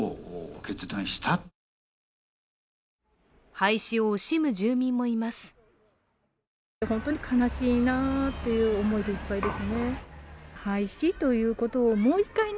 廃止を惜しむ住民もいます。